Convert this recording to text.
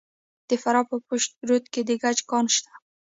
د فراه په پشت رود کې د ګچ کان شته.